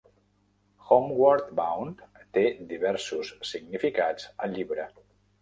Homeward Bound té diversos significats al llibre.